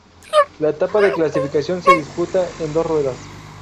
La etapa de clasificación se disputa en dos ruedas.